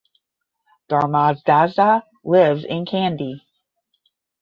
Dharmadasa lives in Kandy.